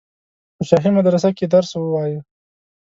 په شاهي مدرسه کې یې درس ووایه.